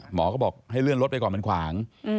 หมอก็บอกให้เลื่อนรถไปก่อนมันขวาง